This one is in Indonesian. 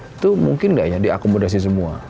itu mungkin nggak ya diakomodasi semua